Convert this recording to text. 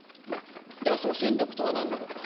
では、その戦力とはなんなのか。